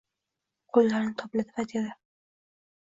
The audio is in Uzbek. qoʻllarini tobladi va dedi: